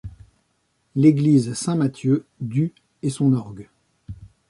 L'église Saint-Mathieu du et son orgue.